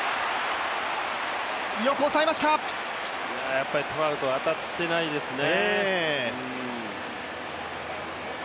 やっぱりトラウトは当たってないですね。